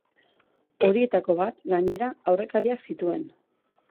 Horietako bat, gainera, aurrekariak zituen.